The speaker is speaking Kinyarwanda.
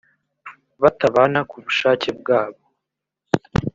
batabana ku bushake bwabo